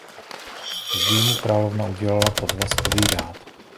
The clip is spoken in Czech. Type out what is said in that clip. Později mu královna udělila Podvazkový řád.